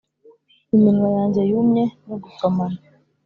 iminwa yanjye yumye no gusomana,